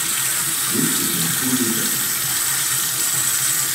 This is my frugal breakfast.